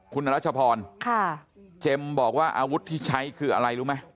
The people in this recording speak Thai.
คุณรัชพรเจมส์บอกว่าอาวุธที่ใช้คืออะไรรู้ไหม